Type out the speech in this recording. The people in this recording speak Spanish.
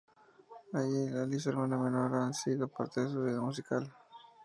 Ali, su hermana menor, ha sido parte de su vida musical.